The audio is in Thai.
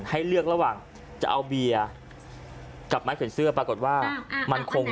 ให้เลือกระหว่างจะเอาเบียร์กับไม้ขนเสื้อปรากฏว่ามันคง